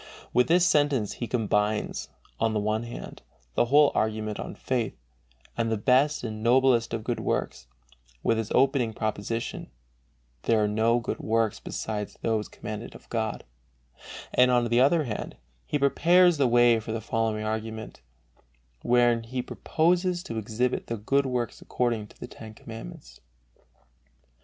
With this sentence he combines, on the one hand, the whole argument on faith, as the best and noblest of good works, with his opening proposition (there are no good works besides those commanded of God), and, on the other hand, he prepares the way for the following argument, wherein he proposes to exhibit the good works according to the Ten Commandments.